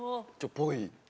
ぽい？